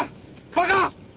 バカ！